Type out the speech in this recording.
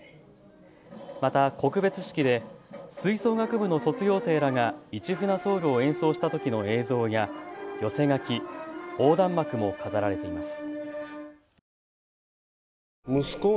また告別式で吹奏楽部の卒業生らが市船ｓｏｕｌを演奏したときの映像や寄せ書き、横断幕も飾られています。